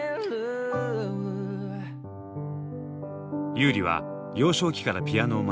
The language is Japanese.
優里は幼少期からピアノを学び